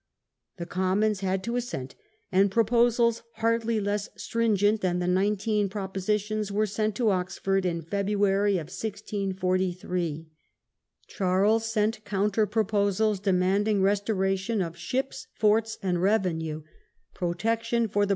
The Commons had ^*^*^^ to assent, and proposals hardly less stringent than the Nineteen Propositions were sent to Oxford in February, 1643. Charles sent counter proposals, demanding re storation of ships, forts, and revenue, protection for the 46 A DRAWN BATTLE.